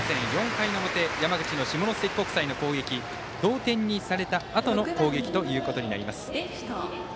４回の表、山口の下関国際の攻撃同点にされたあとの攻撃となります。